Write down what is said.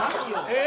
え？